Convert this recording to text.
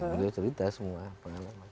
beliau cerita semua pengalaman